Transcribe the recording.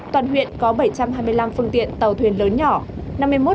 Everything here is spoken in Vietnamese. toàn huyện có bảy trăm hai mươi năm phương tiện tàu thuyền lớn nhỏ